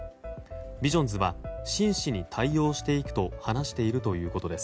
ビジョンズは真摯に対応していくと話しているということです。